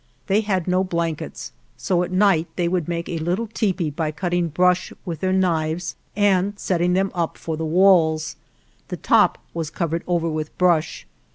They had no blankets ; so at night they would make a little tepee by cutting brush with their knives, and setting them up for the walls. The top was covered over with brush.